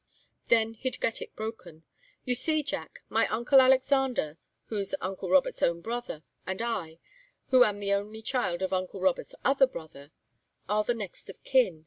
Then he'd get it broken. You see, Jack, my uncle Alexander, who's uncle Robert's own brother, and I, who am the only child of uncle Robert's other brother, are the next of kin.